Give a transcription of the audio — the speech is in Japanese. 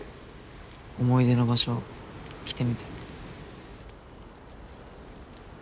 思い出の場所来てみて。